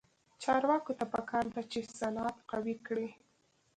چارواکو ته پکار ده چې، صنعت قوي کړي.